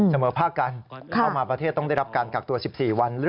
เสมอภาคกันเข้ามาประเทศต้องได้รับการกักตัว๑๔วัน